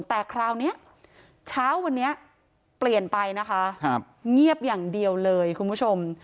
แต่คราวนี้เช้าวันนี้เปลี่ยนไปนะคะเงียบอย่างเดียวเลยคุณผู้ชม